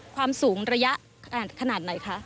ความสูงระยะขนาดไหนคะ